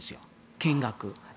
見学。